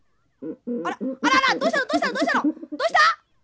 あらあららどうしたのどうしたのどうしたの？